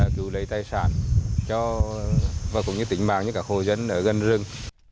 cứu lấy tài sản và tỉnh bản các khổ dân ở gần rừng